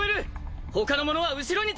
他の者は後ろに続け！